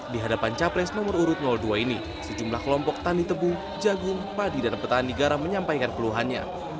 di hadapan capres nomor urut dua ini sejumlah kelompok tani tepung jagung padi dan petani garam menyampaikan keluhannya